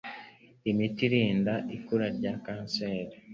imiti irinda ikura rya kanseri .